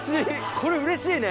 これうれしいね。